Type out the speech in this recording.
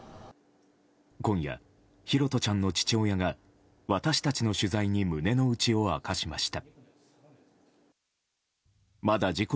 今夜、拓杜ちゃんの父親が私たちの取材に胸の内を明かしました。